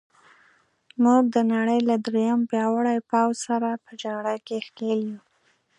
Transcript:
موږ د نړۍ له درېیم پیاوړي پوځ سره په جګړه کې ښکېل یو.